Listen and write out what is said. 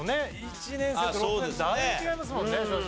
１年生と６年生だいぶ違いますもんね。